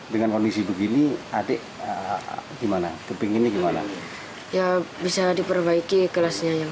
dengan kondisi begini adik gimana kepinginnya gimana ya bisa diperbaiki kelasnya yang